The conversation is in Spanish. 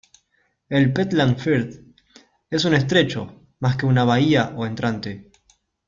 El Pentland Firth es un estrecho más que una bahía o entrante.